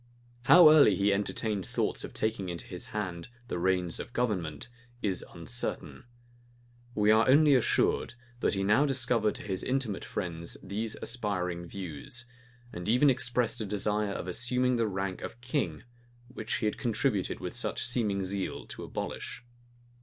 How early he entertained thoughts of taking into his hand the reins of government, is uncertain. We are only assured, that he now discovered to his intimate friends these aspiring views; and even expressed a desire of assuming the rank of king, which he had contributed with such seeming zeal to abolish.